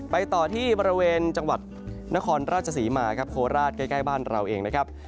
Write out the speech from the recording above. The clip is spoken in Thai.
ไปต่อที่ประเวณจังหวัดนครราชสีมาโคราชใกล้บ้านเราเอง